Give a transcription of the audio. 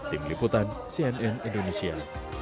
tim liputan cnn indonesia